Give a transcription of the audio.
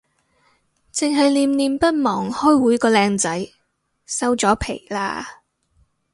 剩係念念不忘開會個靚仔，收咗皮喇